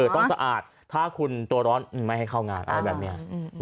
ต้องสะอาดถ้าคุณตัวร้อนไม่ให้เข้างานอะไรแบบนี้